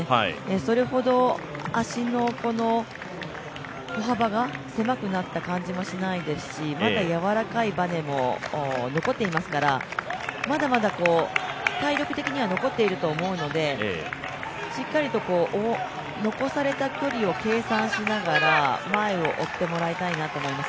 それほど足の歩幅が狭くなった感じもしないですし、まだやわらかいバネも残っていますから、まだまだ体力的には残っていると思うのでしっかりと残された距離を計算しながら前を追ってもらいたいなと思います。